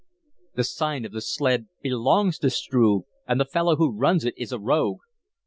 "The Sign of the Sled belongs to Struve, and the fellow who runs it is a rogue."